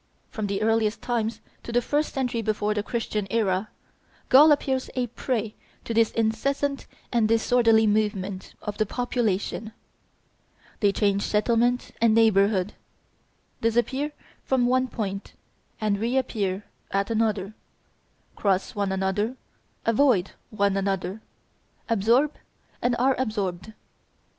From the earliest times to the first century before the Christian era, Gaul appears a prey to this incessant and disorderly movement of the population; they change settlement and neighborhood; disappear from one point and reappear at another; cross one another; avoid one another; absorb and are absorbed.